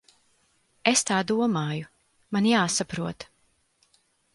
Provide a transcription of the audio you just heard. Es tā domāju. Man jāsaprot.